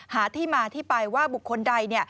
หาที่มาที่ไปว่าบุคคลใด